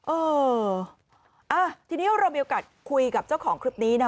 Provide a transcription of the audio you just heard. เออทีนี้เรามีโอกาสคุยกับเจ้าของคลิปนี้นะ